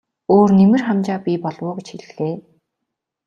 Өөр нэмэр хамжаа бий болов уу гэж хэллээ.